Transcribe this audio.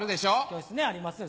教室ありますよ。